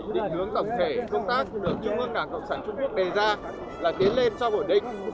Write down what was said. định hướng tổng thể công tác được trung ương đảng cộng sản trung quốc đề ra là tiến lên sau ổn định